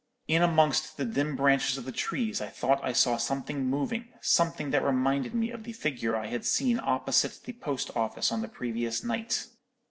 In amongst the dim branches of the trees I thought I saw something moving, something that reminded me of the figure I had seen opposite the post office on the previous night.